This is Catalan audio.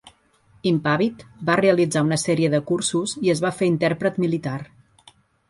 Impàvid, va realitzar una sèrie de cursos i es va fer intèrpret militar.